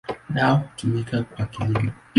Nao hutumiwa kwa kilimo.